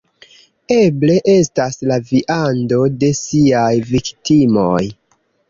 Eble, estas la viando de siaj viktimoj